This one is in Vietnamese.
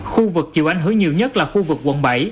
khu vực chịu ánh hứa nhiều nhất là khu vực quận bảy